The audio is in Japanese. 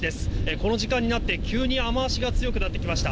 この時間になって急に雨足が強くなってきました。